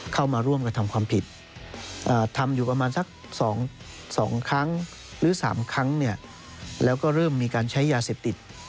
เข้ามาร่วมกระทำความผิดทำอยู่ประมาณสัก๒ครั้งหรือ๓ครั้งแล้วก็เริ่มมีการใช้ยาเสพติด